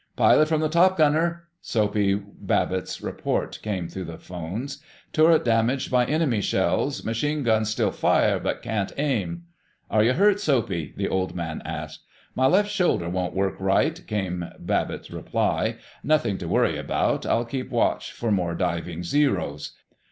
"Pilot from top gunner!" Soapy Babbitt's report came through the phones. "Turret damaged by enemy shells. Machine guns still fire, but can't aim." "Are you hurt, Soapy?" the Old Man asked. "My left shoulder won't work right," came Babbitt's reply. "Nothing to worry about. I'll keep watch for more diving Zeros."